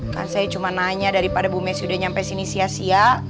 kan saya cuma nanya daripada bu mes sudah nyampe sini sia sia